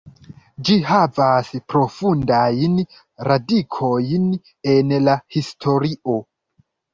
Ĝi havas profundajn radikojn en la historio.